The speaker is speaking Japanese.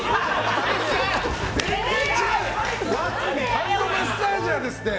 ハンドマッサージャーですって。